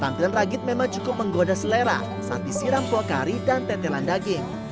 tampilan ragit memang cukup menggoda selera saat disiram kuah kari dan tetelan daging